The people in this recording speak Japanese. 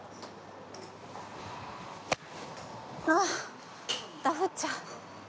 ああダフっちゃう。